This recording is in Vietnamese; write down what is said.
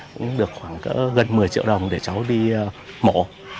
cũng được khoảng gần một mươi triệu đồng để cháu đi mổ